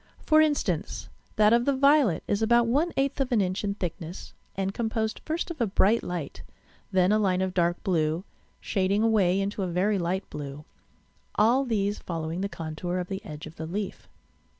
For instance, that of the violet is about one eighth of an inch in thickness, and composed first of a bright light, then a line of dark blue, shading away into a very light blue, all these following the contour of the edge of the leaf.